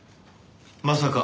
まさか。